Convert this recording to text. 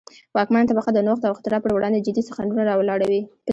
واکمنه طبقه د نوښت او اختراع پروړاندې جدي خنډونه را ولاړوي.